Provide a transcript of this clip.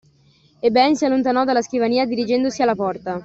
E Ben si allontanò dalla scrivania, dirigendosi alla porta.